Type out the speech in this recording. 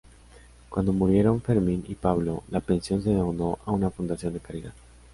Cuando murieron Fermín y Pablo, la pensión se donó a una fundación de caridad.